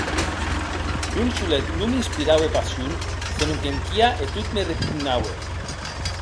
Non solet non m’inspiraue passion, senon qu’enquia e tot me repugnaue.